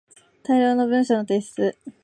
大量の文章の提出